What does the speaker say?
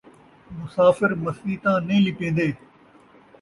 مسافر مسیتاں نئیں لیپین٘دے